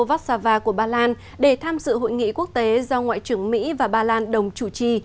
vác sava của bà lan để tham dự hội nghị quốc tế do ngoại trưởng mỹ và bà lan đồng chủ trì